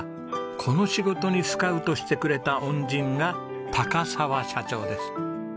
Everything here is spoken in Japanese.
この仕事にスカウトしてくれた恩人が澤社長です。